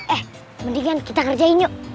eh lebih baik kita kerjain